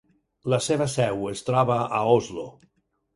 La seva seu es troba a Oslo.